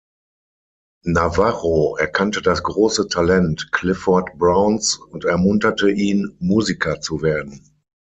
Navarro erkannte das große Talent Clifford Browns und ermunterte ihn, Musiker zu werden.